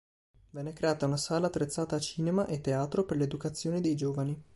Venne creata una sala attrezzata a cinema e teatro per l'educazione dei giovani.